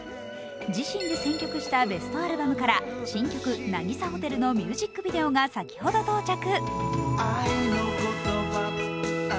自身で選曲したベストアルバムから新曲「なぎさホテル」のミュージックビデオが先ほど到着。